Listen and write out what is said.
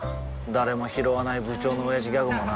誰もひろわない部長のオヤジギャグもな